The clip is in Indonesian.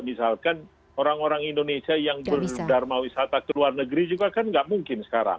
misalkan orang orang indonesia yang berdharma wisata ke luar negeri juga kan nggak mungkin sekarang